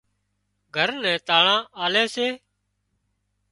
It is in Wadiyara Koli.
گھر نين تاۯان آلي سي